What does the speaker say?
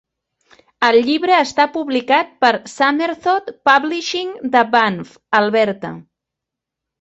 El llibre està publicat per Summerthought Publishing de Banff, Alberta.